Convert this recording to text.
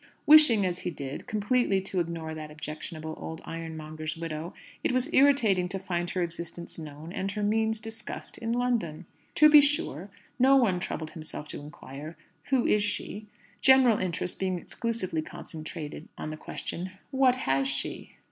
Wishing, as he did, completely to ignore that objectionable old ironmonger's widow, it was irritating to find her existence known, and her means discussed, in London. To be sure, no one troubled himself to inquire "Who is she?" general interest being exclusively concentrated on the question, "What has she?"